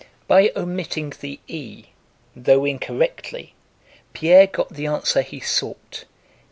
By omitting the e, though incorrectly, Pierre got the answer he sought.